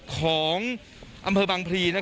ของอำเภอบางพลี